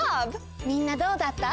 みんなどうだった？